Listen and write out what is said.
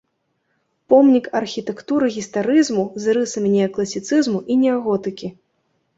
Помнік архітэктуры гістарызму з рысамі неакласіцызму і неаготыкі.